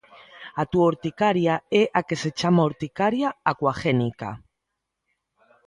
A túa urticaria é a que se chama urticaria acuagénica.